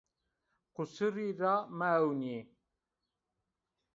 Qusurî ra meewnî.